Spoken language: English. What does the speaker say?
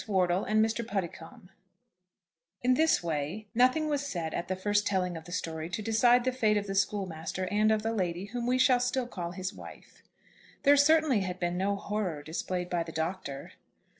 WORTLE AND MR. PUDDICOMBE. IN this way nothing was said at the first telling of the story to decide the fate of the schoolmaster and of the lady whom we shall still call his wife. There certainly had been no horror displayed by the Doctor.